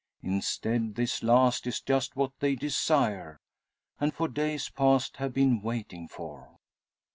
Instead, this last is just what they desire, and for days past have been waiting for.